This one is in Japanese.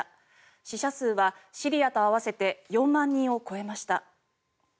死者数はシリアと合わせて４万人を超えました。